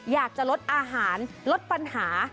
อยากจะลดอาหารลดปัญหา